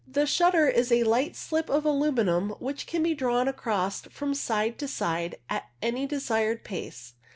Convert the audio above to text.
The shutter is a light slip of aluminium, which can be drawn across from side to side at any desired pace.